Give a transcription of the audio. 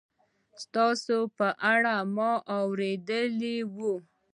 ستاسې په اړه ما اورېدلي و